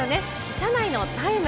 車内のチャイム。